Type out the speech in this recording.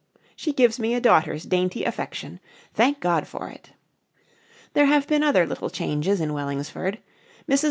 She gives me a daughter's dainty affection. Thank God for it! There have been other little changes in Wellingsford. Mrs.